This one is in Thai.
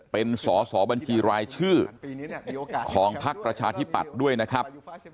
เป็นสสบรายชื่อของภักรัชาธิปัตย์ด้วยนะครับ